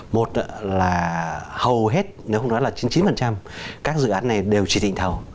một là hầu hết nếu không nói là chín mươi chín các dự án này đều chỉ định thầu